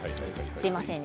すみませんね